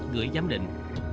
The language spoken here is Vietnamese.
gửi giám định